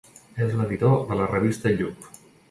És l'editor de la Revista Lluc.